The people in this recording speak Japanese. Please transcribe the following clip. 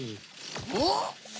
おっ？